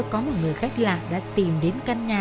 có một người khách lạ đã tìm đến căn nhà